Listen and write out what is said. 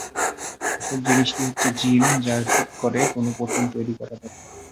আসল জিনিস হচ্ছে জীন, যা ঠিক করে কোন প্রোটিন তৈরি করা দরকার।